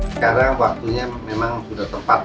sekarang waktunya memang sudah tepat